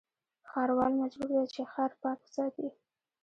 ښاروال مجبور دی چې، ښار پاک وساتي.